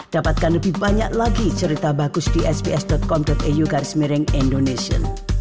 dapatkan lebih banyak lagi cerita bagus di sps com eu garis miring indonesia